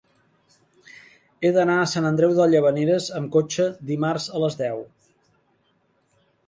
He d'anar a Sant Andreu de Llavaneres amb cotxe dimarts a les deu.